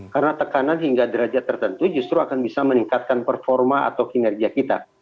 karena tekanan hingga derajat tertentu justru akan bisa meningkatkan performa atau kinerja kita